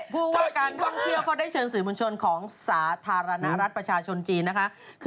ผู้ว่าการท่องเที่ยวเขาได้เชิญสื่อมวลชนของสาธารณรัฐประชาชนจีนนะคะ